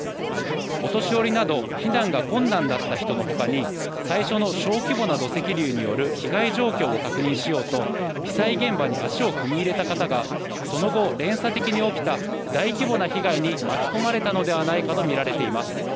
お年寄りなど避難が困難だった人のほかに最初の小規模な土石流による被害状況を確認しようと被災現場に足を踏み入れた方がその後連鎖的に起きた大規模な被害に巻き込まれたのではないかとみています。